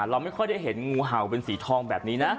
เราไม่ค่อยได้เห็นงูเห่าเป็นสีทองแบบนี้นะ